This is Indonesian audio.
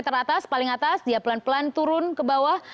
teratas paling atas dia pelan pelan turun ke bawah